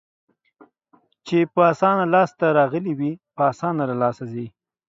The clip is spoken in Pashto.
چې په اسانه لاس ته راغلي وي، په اسانه له لاسه ځي.